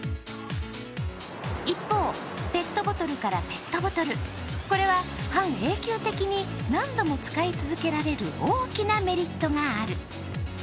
一方、ペットボトルからペットボトル、これは半永久的に何度も使い続けられる大きなメリットがある。